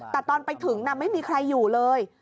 แต่ตอนไปถึงไม่มีใครอยู่เลย